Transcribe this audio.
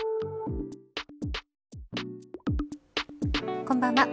こんばんは。